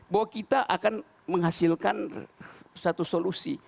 bahwa kita akan menghasilkan satu solusi